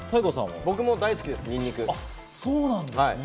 僕も大好きです、にんにく。